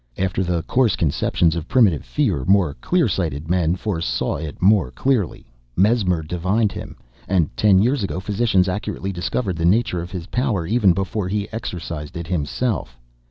After the coarse conceptions of primitive fear, more clear sighted men foresaw it more clearly. Mesmer divined him, and ten years ago physicians accurately discovered the nature of his power, even before he exercised it himself.